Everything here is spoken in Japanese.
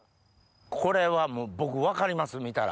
これはもう僕分かります見たら。